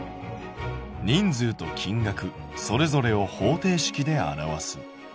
「『人数と金額』それぞれを方程式で表す」。